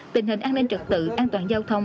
tình hình an ninh trật tự an toàn giao thông